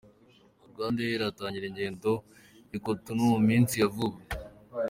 Rwandair iratangira ingendo i Cotonou mu minsi ya vuba.